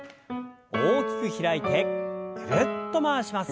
大きく開いてぐるっと回します。